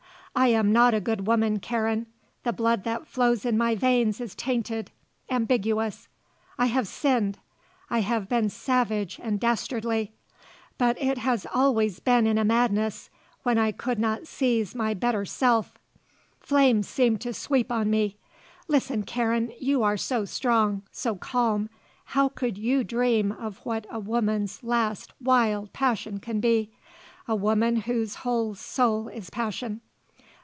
I am not a good woman, Karen, the blood that flows in my veins is tainted, ambiguous. I have sinned. I have been savage and dastardly; but it has always been in a madness when I could not seize my better self: flames seem to sweep me on. Listen, Karen, you are so strong, so calm, how could you dream of what a woman's last wild passion can be, a woman whose whole soul is passion?